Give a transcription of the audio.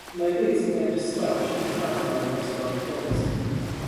My boots began to squelch and pipe along the restaurant floors.